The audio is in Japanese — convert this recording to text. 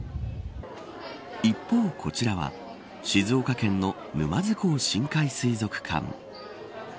一方、こちらは静岡県の沼津港深海水族館。